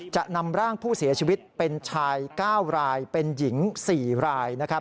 จะนำร่างผู้เสียชีวิตเป็นชาย๙รายเป็นหญิง๔ราย